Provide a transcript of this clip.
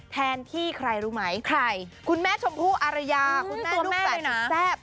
แทนที่ใครรู้ไหมใครคุณแม่ชมพูอารยาคุณแม่นุ่มแสบสุดแซบตัวแม่เลยนะ